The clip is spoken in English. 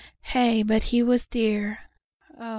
Heigh, but he was dear, O!